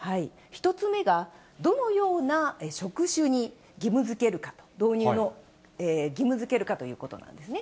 １つ目が、どのような職種に義務づけるかと、導入を義務づけるかということなんですね。